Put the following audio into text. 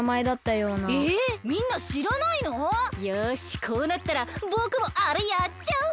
よしこうなったらぼくもあれやっちゃう！